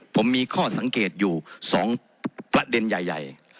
ผมมีข้อสังเกตอยู่๒ประเด็นใหญ่